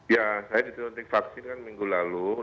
ya saya diturunkan vaksin minggu lalu